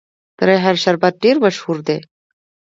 د ریحان شربت ډیر مشهور دی.